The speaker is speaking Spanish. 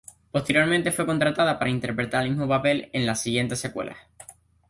Posteriormente fue contratada para interpretar el mismo papel en las siguientes secuelas.